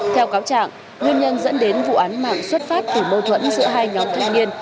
theo cáo trạng nguyên nhân dẫn đến vụ án mạng xuất phát từ mâu thuẫn giữa hai nhóm thanh niên